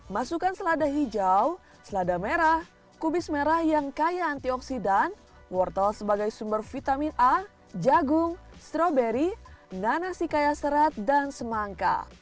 masukkan selada hijau selada merah kubis merah yang kaya antioksidan wortel sebagai sumber vitamin a jagung stroberi nanas si kaya serat dan semangka